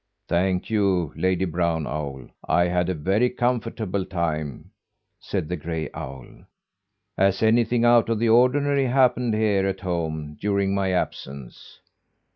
"Thank you, Lady Brown Owl. I had a very comfortable time," said the gray owl. "Has anything out of the ordinary happened here at home during my absence?"